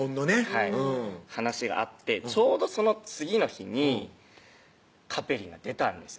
はい話があってちょうどその次の日にカペリンが出たんです